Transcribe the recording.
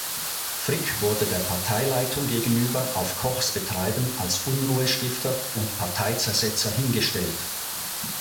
Frick wurde der Parteileitung gegenüber auf Kochs Betreiben als Unruhestifter und Parteizersetzer hingestellt.